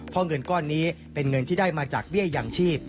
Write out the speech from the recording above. เพราะเงินก้อนนี้เป็นเงินที่ได้มาจากเบี้ยอย่างชีพ